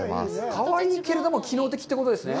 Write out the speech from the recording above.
かわいいけれども、機能的ということですね？